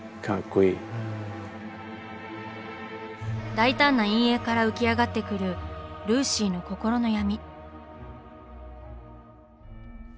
大胆な陰影から浮き上がってくるルーシーの心の「闇」。